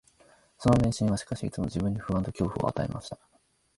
その迷信は、しかし、いつも自分に不安と恐怖を与えました